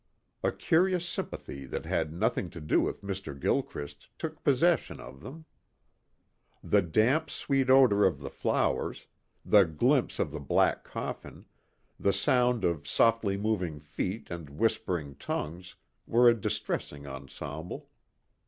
A curious sympathy that had nothing to do with Mr. Gilchrist took possession of them. The damp, sweet odor of the flowers, the glimpse of the black coffin, the sound of softly moving feet and whispering tongues were a distressing ensemble.